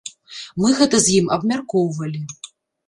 Мы гэта з ім абмяркоўвалі.